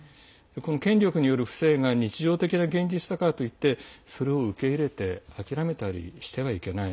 権力による不正が日常的な現実だからといってそれを受け入れて諦めたりしてはいけない。